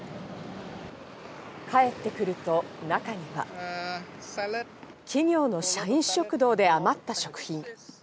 帰ってくると中には、企業の社員食堂で余った食品。